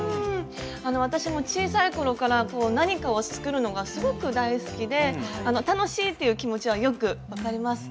私も小さい頃から何かを作るのがすごく大好きで楽しいっていう気持ちはよく分かります。